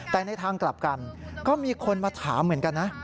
แต่ในทางกลับกันก็มีคนมาถามเหมือนกันนะ